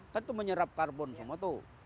kan itu menyerap karbon semua tuh